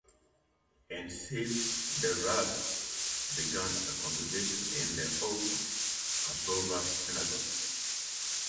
In Safed the Rebbe began a congregation in the old Kosover Synagogue.